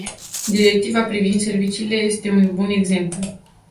Directiva privind serviciile este un bun exemplu.